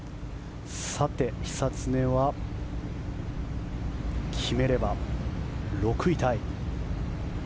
さて、久常は決めれば６位タイ。